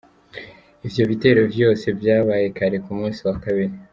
Ivyo bitero vyose vyabaye kare ku musi wa kabiri.